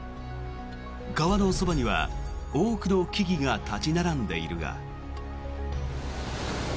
川のそばには多くの木々が立ち並んでいるが。